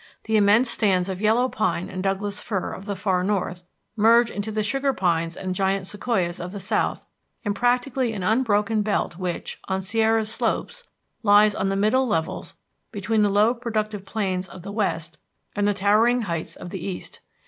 The immense stands of yellow pine and Douglas fir of the far north merge into the sugar pines and giant sequoias of the south in practically an unbroken belt which, on Sierra's slopes, lies on the middle levels between the low productive plains of the west and the towering heights of the east.